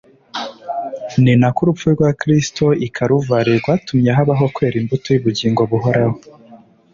Ni nako urupfu rwa Kristo i Kaluvari rwatumye habaho kwera imbuto y'ubugingo buhoraho.